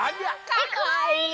かわいい！